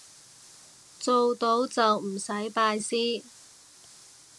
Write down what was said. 做到就唔使拜師